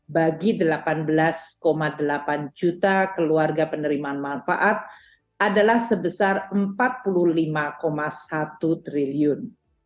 bagi delapan belas delapan juta keluarga penerimaan manfaat adalah sebesar rp empat puluh lima satu triliun